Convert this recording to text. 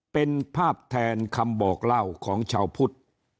เป็นภาพแทนคำบอกเล่าของชาวพุทธ